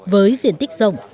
với diện tích rộng